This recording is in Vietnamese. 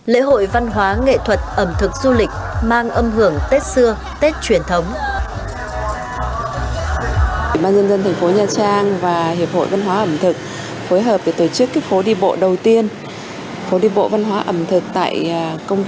lễ hội văn hóa nghệ thuật ẩm thực du lịch mang âm hưởng tết xưa tết truyền thống